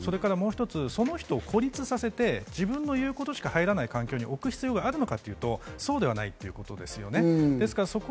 その人を孤立させて自分の言うことしか入らない環境に置く必要があるのかというと、そうではないんです。